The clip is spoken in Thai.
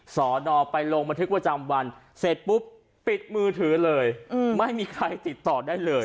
สอนอไปลงบันทึกประจำวันเสร็จปุ๊บปิดมือถือเลยไม่มีใครติดต่อได้เลย